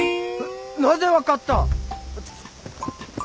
なぜ分かった！？